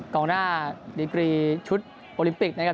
กองหน้าดีกรีชุดโอลิมปิกนะครับ